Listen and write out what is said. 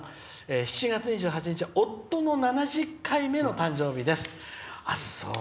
「７月２８日は夫の７０回目の誕生日です」。